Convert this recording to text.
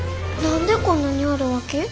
何でこんなにあるわけ？